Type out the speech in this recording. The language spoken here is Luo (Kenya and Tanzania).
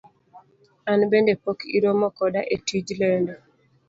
An bende pok iromo koda e tij lendo.